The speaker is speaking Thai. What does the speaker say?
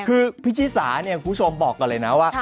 คือพี่ชิสาเนี่ยคุณผู้ชมบอกก่อนเลยนะว่า